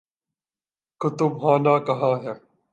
کتب خانہ کہاں ہے؟